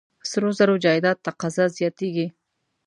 سرو زرو جایداد تقاضا زیاتېږي.